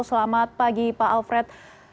selamat pagi pak alfred